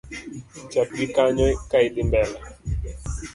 Chakgi kanyo ka idhi mbele.